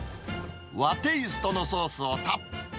和テイストのソースをたっぷ